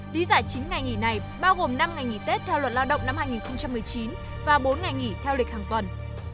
lý giải chín ngày nghỉ này bao gồm năm ngày nghỉ tết theo luật lao động năm hai nghìn một mươi chín và bốn ngày nghỉ theo lịch hàng tuần